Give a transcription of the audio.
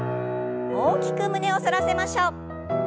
大きく胸を反らせましょう。